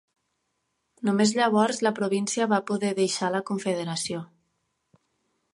Només llavors la província va poder deixar la confederació.